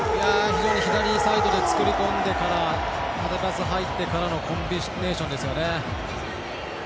非常に左サイドで作り込んでから縦パス、入ってからのコンビネーションですよね。